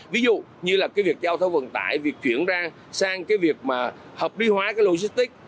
ví dụ như là việc giao thông vận tải việc chuyển sang việc hợp lý hóa logistic